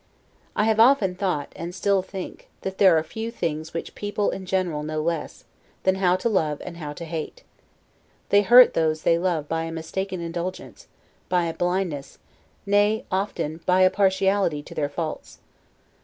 I have often thought, and still think, that there are few things which people in general know less, than how to love and how to hate. They hurt those they love by a mistaken indulgence, by a blindness, nay, often by a partiality to their faults.